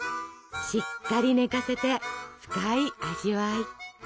しっかり寝かせて深い味わい。